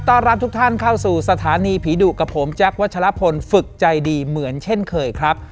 รับทุกท่านเข้าสู่สถานีผีดุกับผมแจ๊ควัชลพลฝึกใจดีเหมือนเช่นเคยครับ